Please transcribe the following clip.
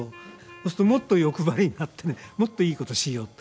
そうするともっと欲張りになってねもっといいことしようって。